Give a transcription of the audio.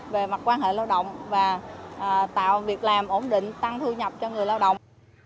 về mặt quan hệ lao động và tạo việc làm ổn định tăng thu nhập cho người lao động